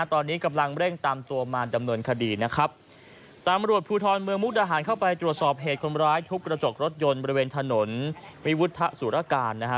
ตอนนี้กำลังเร่งตามตัวมาดำเนินคดีนะครับตำรวจภูทรเมืองมุกดาหารเข้าไปตรวจสอบเหตุคนร้ายทุบกระจกรถยนต์บริเวณถนนวิวัฒสุรการนะฮะ